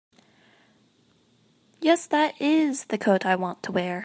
Yes, that IS the coat I want to wear.